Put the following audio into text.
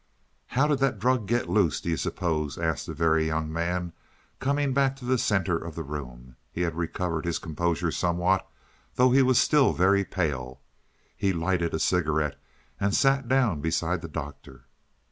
"How did the drug get loose, do you suppose?" asked the Very Young Man, coming back to the center of the room. He had recovered his composure somewhat, though he was still very pale. He lighted a cigarette and sat down beside the Doctor.